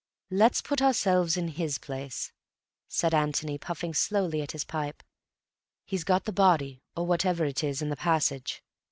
"Let's put ourselves in his place," said Antony, puffing slowly at his pipe. "He's got the body, or whatever it is, in the passage.